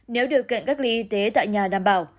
nếu điều kiện cách ly y tế tại nhà đảm bảo